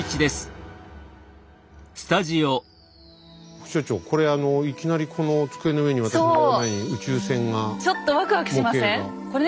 副所長これいきなりこの机の上に私の前に宇宙船が模型が。